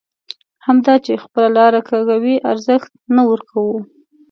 همدا چې خپله لاره کږوي ارزښت نه ورکوو.